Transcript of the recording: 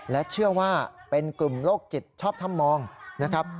และเชื่อว่าเป็นกลุ่มโรคจิตชอบถ้ำมองนะครับ